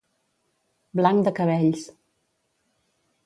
Blanc de cabells.